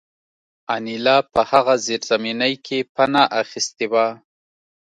انیلا په هغه زیرزمینۍ کې پناه اخیستې وه